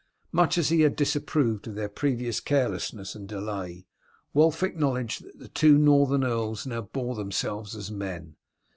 Much as he had disapproved of their previous carelessness and delay, Wulf acknowledged that the two northern earls now bore themselves as men.